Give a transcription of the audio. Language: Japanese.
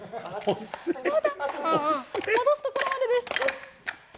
戻すところまでです。